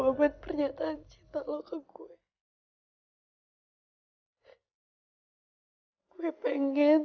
ah gue nyusul citar dulu ya